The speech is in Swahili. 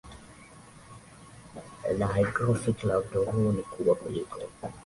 la hydrographic la mto huu ni kubwa kuliko